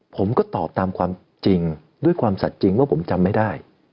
ผมก็ตอบตามความจริงด้วยความสัดจริงว่าผมจำไม่ได้